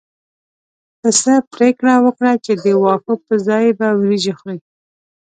پسه پرېکړه وکړه چې د واښو پر ځای به وريجې خوري.